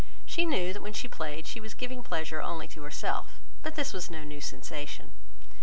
She knew that when she played she was giving pleasure only to herself; but this was no new sensation.